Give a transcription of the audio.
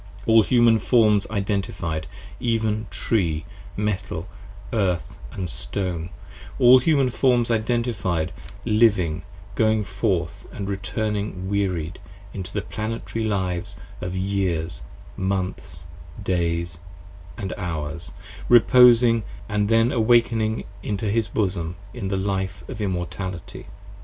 p. 99 ALL Human Forms identified, even Tree, Metal, Earth & Stone, all Human Forms identified, living, going forth, & returning wearied Into the Planetary lives of Years, Months, Days & Hours, reposing And then Awaking into his Bosom in the Life of Immortality.